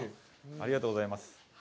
ありがとうございます。